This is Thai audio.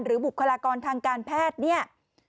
หรือบุคลากรทางการแพทย์